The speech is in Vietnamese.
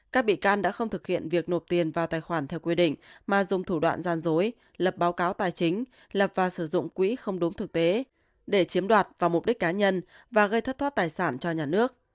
các bị can đã không thực hiện việc nộp tiền vào tài khoản theo quy định mà dùng thủ đoạn gian dối lập báo cáo tài chính lập và sử dụng quỹ không đúng thực tế để chiếm đoạt vào mục đích cá nhân và gây thất thoát tài sản cho nhà nước